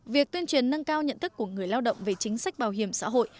việc tuyên truyền nâng cao nhận thức của người lao động về chính sách bảo hiểm xã hội